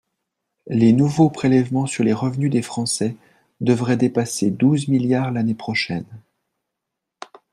Les nouveaux prélèvements sur les revenus des Français devraient dépasser douze milliards l’année prochaine.